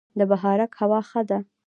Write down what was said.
د بهارک هوا ښه ده